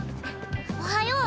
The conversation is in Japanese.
おはよう。